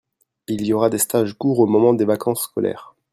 il y aura des stages courts au moment des vacances scolaires.